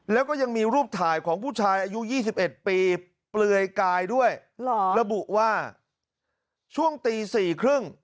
แล้วก็ยังมีรูปถ่ายของผู้ชายอายุ๒๑ปีเปลือยกายด้วยระบุว่าช่วงตีสี่ครึ่ง